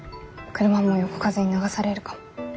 車も横風に流されるかも。